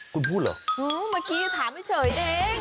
คุณพูดเหรอมากี้ถามให้เฉยเอง